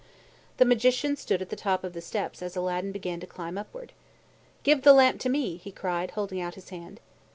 The Magician stood at the top of the steps as Aladdin began to climb upward. "Give the lamp to me," he cried, holding out his hand.